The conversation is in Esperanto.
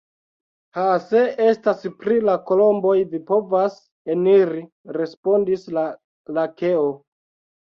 Ha! se estas pri la kolomboj vi povas eniri, respondis la lakeo.